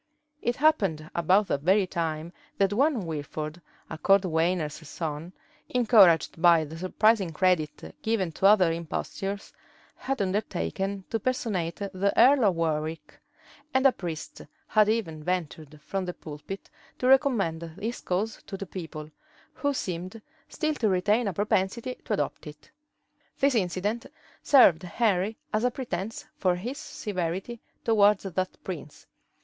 [*] It happened about that very time that one Wilford, a cordwainer's son, encouraged by the surprising credit given to other impostures, had undertaken to personate the earl of Warwick; and a priest had even ventured from the pulpit to recommend his cause to the people, who seemed still to retain a propensity to adopt it. This incident served Henry as a pretence for his severity towards that prince.